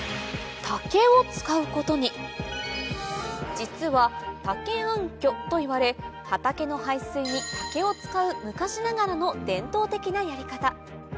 実は竹暗渠といわれ畑の排水に竹を使う昔ながらの伝統的なやり方